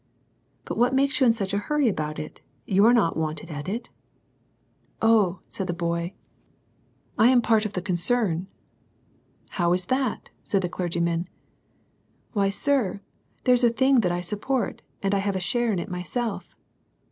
—" But what makes you in such a hurry about it ? you are not wanted at it ''—" Oh," said the boy, " I am part LITTLE THINGS. 103 of the concern." — "How is that?" said the clergyman. —" Why sir, it*s a thing that I sup port, and I have a share in it myself."